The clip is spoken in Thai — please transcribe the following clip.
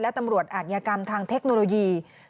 และตำรวจอาทยากรรมทางเทคโนโลยี